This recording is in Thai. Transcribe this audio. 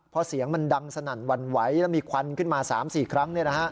พอเสียงมันดังสนั่นหวั่นไหวแล้วมีควันขึ้นมา๓๔ครั้ง